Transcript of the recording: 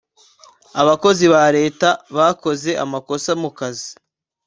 abakozi ba leta bakoze amakosa mu kazi.